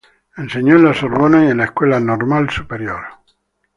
Enseñó en la Sorbona y en la Escuela Normal Superior.